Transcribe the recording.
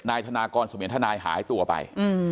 นายธนากรเสมียนทนายหายตัวไป